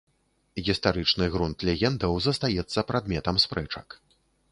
Гістарычны грунт легендаў застаецца прадметам спрэчак.